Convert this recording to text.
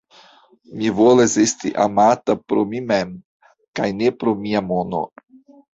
Mi volas esti amata pro mi mem kaj ne pro mia mono!